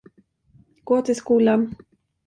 Gå till skolan.